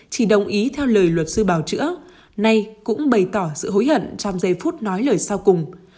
chỉ đồng ý theo lời luật sư bào chữa nay cũng bày tỏ sự hối hận trong giây phút nói lời sau cùng